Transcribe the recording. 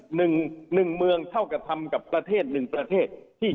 หนึ่งหนึ่งเมืองเท่ากระทำกับประเทศหนึ่งประเทศที่